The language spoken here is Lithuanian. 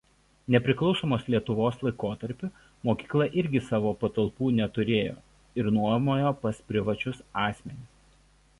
Nepriklausomos Lietuvos laikotarpiu mokykla irgi savo patalpų neturėjo ir nuomojo pas privačius asmenis.